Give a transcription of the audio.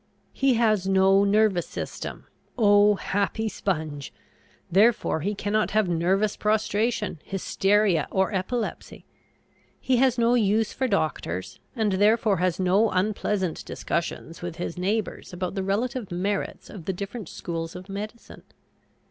He has no nervous system oh, happy sponge! therefore he cannot have nervous prostration, hysteria, or epilepsy. He has no use for doctors, and therefore has no unpleasant discussions with his neighbors about the relative merits of the different schools of medicine.